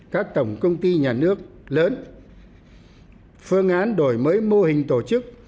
các tổng công ty nhà nước lớn phương án đổi mới mô hình tổ chức